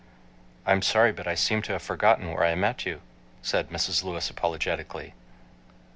"I'm sorry but I seem to have forgotten where I met you," said Mrs. Lewis apologetically.